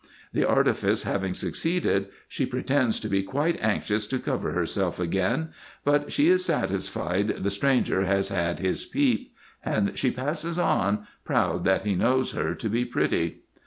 The artifice having succeeded, she pretends to be quite anxious to cover herself again ; but she is satisfied the stranger has had his peep, and she passes on, proud that he knows her to be pretty.